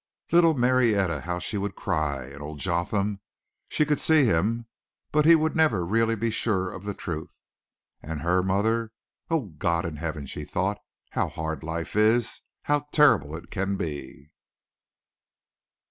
Little Marietta how she would cry. And old Jotham she could see him, but he would never be really sure of the truth. And her mother. "Oh God in heaven," she thought, "how hard life is! How terrible it can be."